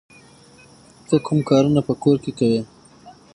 ته کوم کارونه په کور کې کوې؟